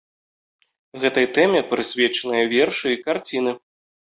Гэтай тэме прысвечаныя вершы і карціны.